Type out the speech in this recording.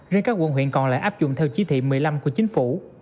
riêng các quận huyện còn lại áp dụng theo chỉ thị một mươi năm của chính phủ